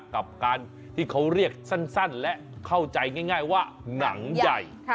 กับการที่เขาเรียกสั้นและเข้าใจง่ายว่าหนังใหญ่